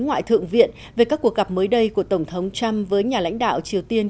ngoại thượng viện về các cuộc gặp mới đây của tổng thống trump với nhà lãnh đạo triều tiên